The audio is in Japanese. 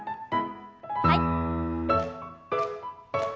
はい。